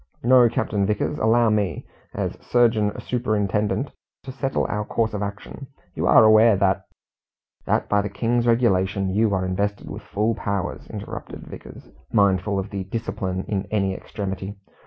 No, Captain Vickers, allow me, as surgeon superintendent, to settle our course of action. You are aware that "" That, by the King's Regulations, you are invested with full powers," interrupted Vickers, mindful of discipline in any extremity.